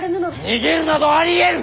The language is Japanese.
逃げるなどありえぬ！